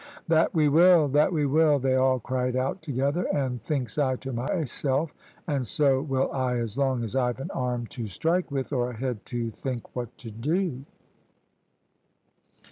"`That we will, that we will;' they all cried out together, and thinks I to myself, `and so will I as long as I've an arm to strike with, or a head to think what to do.'